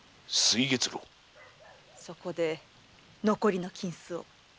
そこで残りの金子を。